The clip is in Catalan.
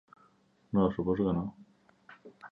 No, suposo que no.